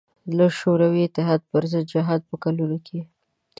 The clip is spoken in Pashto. له شوروي اتحاد پر ضد جهاد په کلونو کې.